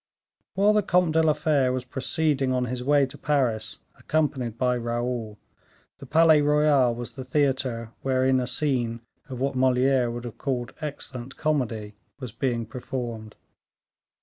While the Comte de la Fere was proceeding on his way to Pairs, accompanied by Raoul, the Palais Royal was the theatre wherein a scene of what Moliere would have called excellent comedy, was being performed.